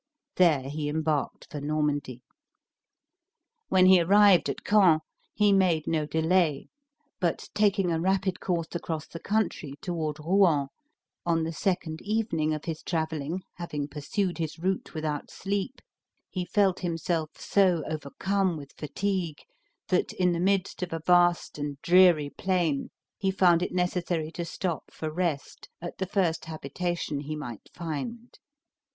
There he embarked for Normandy. When he arrived at Caen, he made no delay, but taking a rapid course across the country toward Rouen, on the second evening of his traveling, having pursued his route without sleep, he felt himself so overcome with fatigue, that, in the midst of a vast and dreary plain, he found it necessary to stop for rest at the first habitation he might find.